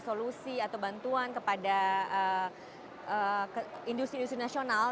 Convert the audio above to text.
solusi atau bantuan kepada industri industri nasional